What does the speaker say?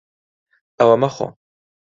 ئەوە مەخۆ.